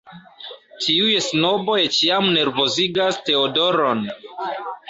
Tiuj snoboj ĉiam nervozigas Teodoron.